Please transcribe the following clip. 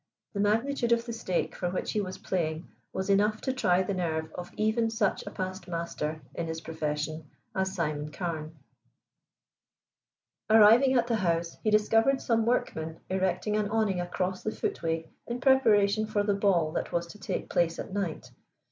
The magnitude of the stake for which he was playing was enough to try the nerve of even such a past master in his profession as Simon Carne. Arriving at the house he discovered some workmen erecting an awning across the footway in preparation for the ball that was to take place at night.